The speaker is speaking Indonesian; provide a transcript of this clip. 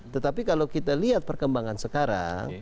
tetapi kalau kita lihat perkembangan sekarang